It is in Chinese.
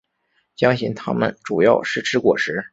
相信它们主要是吃果实。